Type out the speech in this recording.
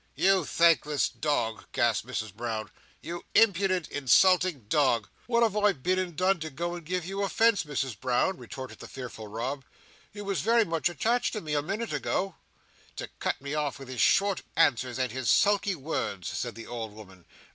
"You thankless dog!" gasped Mrs Brown. "You impudent insulting dog!" "What have I been and done to go and give you offence, Misses Brown?" retorted the fearful Rob. "You was very much attached to me a minute ago." "To cut me off with his short answers and his sulky words," said the old woman.